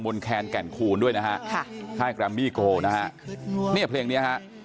มนแคนแก่นคูณด้วยนะฮะค่ายกรัมมี่โกนะฮะนี่เพลงนี้ฮะ